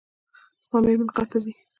زما میرمن کار ته ځي